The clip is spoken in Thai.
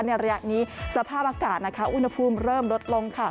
ระยะนี้สภาพอากาศนะคะอุณหภูมิเริ่มลดลงค่ะ